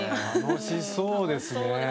楽しそうですね。